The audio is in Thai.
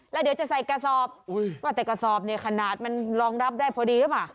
แล้วเดี๋ยวจะใส่กระสอบว่าแต่กระสอบเนี่ยขนาดมันรองรับได้พอดีหรือเปล่า